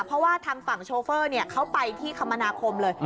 เพราะว่าทางฝั่งโชเฟอร์เขาไปที่คมนาคมเลย